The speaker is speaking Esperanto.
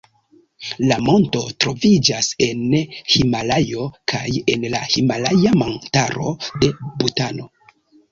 La monto troviĝas en Himalajo kaj en la himalaja montaro de Butano.